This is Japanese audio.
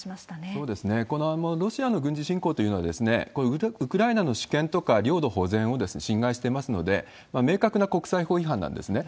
このロシアの軍事侵攻というのは、ウクライナの主権とか領土保全を侵害してますので、明確な国際法違反なんですね。